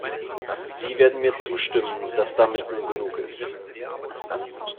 Sie werden mir zustimmen, dass damit nun genug ist.